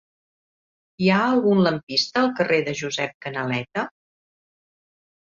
Hi ha algun lampista al carrer de Josep Canaleta?